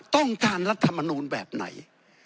ต้องการรัฐมนูลแบบไหน